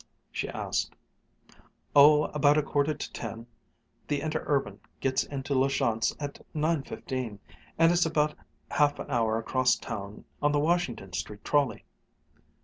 she asked. "Oh, about a quarter to ten the Interurban gets into La Chance at nine fifteen, and it's about half an hour across town on the Washington Street trolley."